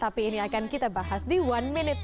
tapi sekarang mau menkanchas dengan total uang bilat